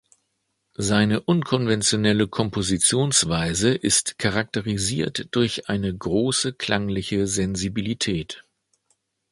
Seine unkonventionelle Kompositionsweise ist charakterisiert durch eine große klangliche Sensibilität.